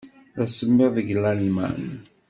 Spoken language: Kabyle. D asemmiḍ deg Lalman?